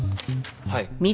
はい。